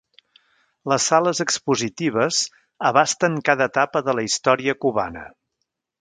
Les sales expositives abasten cada etapa de la història cubana.